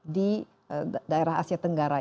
di daerah asia tenggara